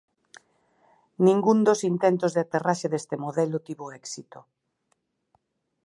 Ningún dos intentos de aterraxe deste modelo tivo éxito.